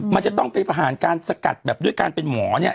มันจะต้องไปผ่านการสกัดแบบด้วยการเป็นหมอเนี่ย